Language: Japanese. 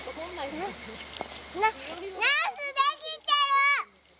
ナスできてる！